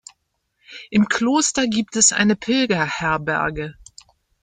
Im Kloster gibt es eine Pilgerherberge.